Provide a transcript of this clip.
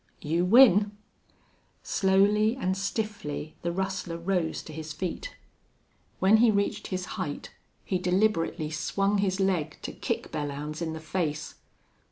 "You win!" Slowly and stiffly the rustler rose to his feet. When he reached his height he deliberately swung his leg to kick Belllounds in the face.